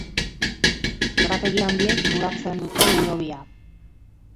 Lorategi handiek inguratzen dute hilobia.